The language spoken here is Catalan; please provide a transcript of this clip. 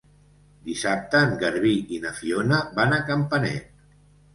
Dissabte en Garbí i na Fiona van a Campanet.